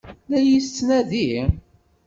La iyi-yettnadi?